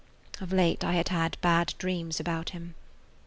Of late I had had bad dreams about him.